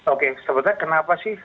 oke sebetulnya kenapa sih